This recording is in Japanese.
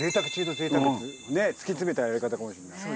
突き詰めたやり方かもしれない。